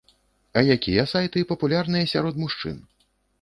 А якія сайты папулярныя сярод мужчын?